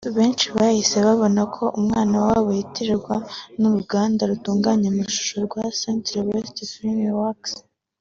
benshi bahise babona ko umwana wabo yitiranwa n’uruganda rutunganya amashusho rwa Saint West FilmWorks